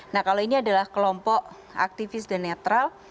nah kalau ini adalah kelompok aktivis dan netral